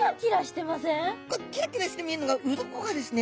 このキラキラして見えるのが鱗がですねす